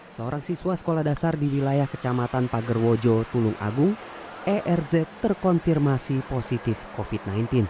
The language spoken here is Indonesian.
seorang siswa sekolah dasar di wilayah kecamatan pagerwojo tulung agung erz terkonfirmasi positif covid sembilan belas